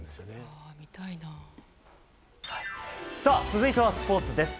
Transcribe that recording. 続いてはスポーツです。